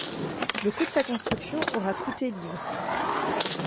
Le coût de sa construction aura coûté livres.